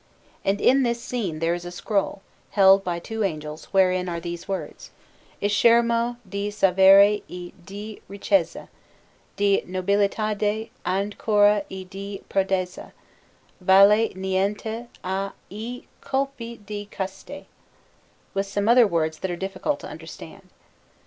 And in this scene there is a scroll, held by two angels, wherein are these words: ISCHERMO DI SAVERE E DI RICCHEZZA, DI NOBILTADE ANCORA E DI PRODEZZA, VALE NIENTE A I COLPI DI COSTEI; with some other words that are difficult to understand.